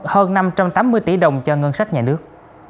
hơn năm trăm tám mươi tỷ đồng cho ngân sách nhà nước